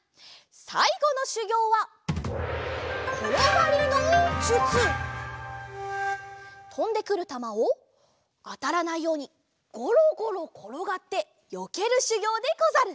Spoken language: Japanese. さいごのしゅぎょうはとんでくるたまをあたらないようにゴロゴロころがってよけるしゅぎょうでござる。